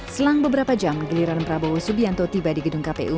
selang beberapa jam geliran prabowo subianto tiba di gedung kpu